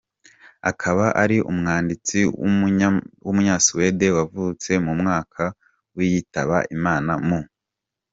Akaba ari umwanditsi w’umunyasuwedi wavutse mu mwaka w’ yitaba Imana mu .